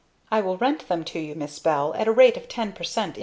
I will rent them to you, Miss Bell, at a rate of 10 per cent.